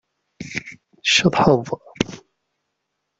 Tceḍḥeḍ.